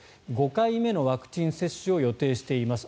５回目のワクチン接種を予定しています。